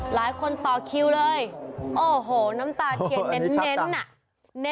หลายคนต่อคิวเลยโอ้โหน้ำตาเขียนเง๊ะฮะ